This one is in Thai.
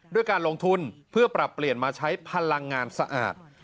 ด้วยการลงทุนเพื่อปรับเปลี่ยนมาใช้พลังงานสะอาด